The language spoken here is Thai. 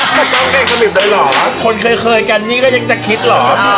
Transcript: ต้องเก่งสลิปเลยเหรอคนเคยกันนี่ก็ยังจะคิดเหรอ